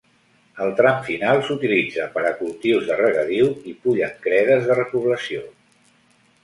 El tram final s'utilitza per a cultius de regadiu i pollancredes de repoblació.